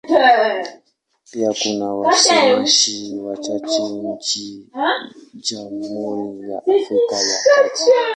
Pia kuna wasemaji wachache nchini Jamhuri ya Afrika ya Kati.